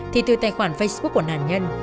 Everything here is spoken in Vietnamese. thì từ tài khoản facebook của nạn nhân